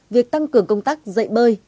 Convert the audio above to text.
việc tăng cường công tác dậy bơi